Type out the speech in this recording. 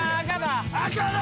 赤だ！